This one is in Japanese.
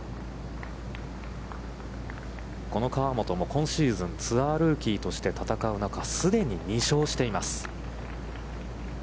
この河本も今シーズン、ツアールーキーとして戦う中、既に２勝しています。